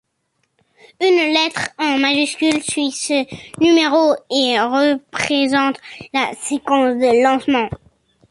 Une lettre en majuscule suit ce numéro et représente la séquence de lancement.